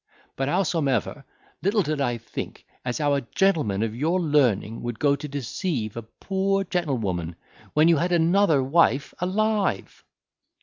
But, howsomever, little did I think, as how a gentleman of your learning would go to deceive a poor gentlewoman, when you had another wife alive."